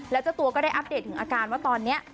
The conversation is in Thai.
แล้วเจ้าตัวก็ได้อัปเดตถึงอาการว่าตอนนี้